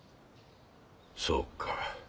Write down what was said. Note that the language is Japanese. そうか。